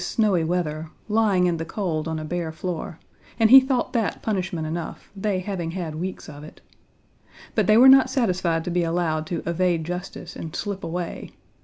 Page 22 weather) lying in the cold on a bare floor, and he thought that punishment enough; they having had weeks of it. But they were not satisfied to be allowed to evade justice and slip away.